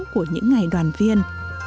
của những ngày đoàn viên